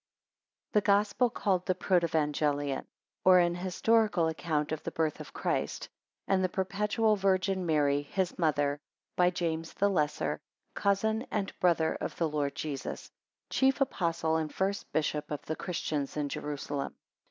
] THE GOSPEL CALLED THE PROTEVANGELION; Or, an Historical Account of the BIRTH of CHRIST, and the perpetual VIRGIN MARY, his Mother, by JAMES THE LESSER, Cousin and Brother of the Lord Jesus, chief Apostle and first Bishop of the Christians in Jerusalem.